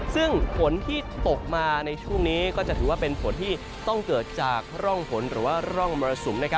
ซึ่งฝนที่ตกมาในช่วงนี้ก็จะถือว่าเป็นฝนที่ต้องเกิดจากร่องฝนหรือว่าร่องมรสุม